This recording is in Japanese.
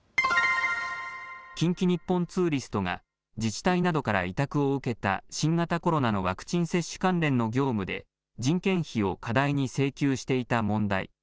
近畿日本ツーリストが自治体などから委託を受けた新型コロナのワクチン接種関連の業務で人件費を過大に請求していた問題。